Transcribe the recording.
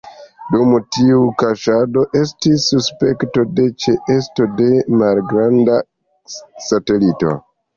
Dum tiu kaŝado, estis suspekto de ĉeesto de malgranda satelito.